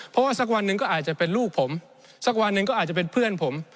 เพราะว่าสักวันหนึ่งก็อาจจะเป็นลูกผมสักวันหนึ่งก็อาจจะเป็นเพื่อนผม